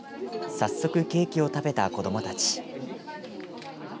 早速、ケーキを食べた子どもたち。